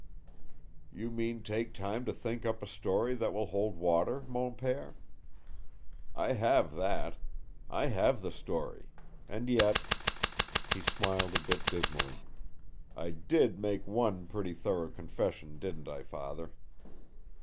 "You mean take time to think up a story that will hold water, mon pere? I have that. I have the story. And yet " He smiled a bit dismally. "I did make one pretty thorough confession, didn't I, Father?"